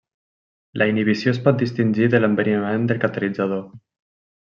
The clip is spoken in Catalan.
La inhibició es pot distingir de l'enverinament del catalitzador.